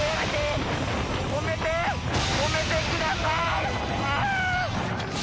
止めて、止めてください。